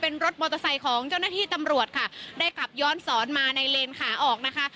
เป็นรถมอเตอร์ไซค์ของเจ้าหน้าที่ตำรวจค่ะได้ขับย้อนสอนมาในเลนขาออกนะคะ